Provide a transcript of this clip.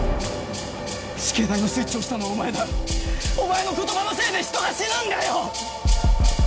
死刑台のスイッチ押したのはお前だお前の言葉のせいで人が死ぬんだよ！